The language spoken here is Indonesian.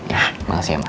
nah makasih ya mbak